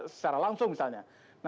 secara langsung misalnya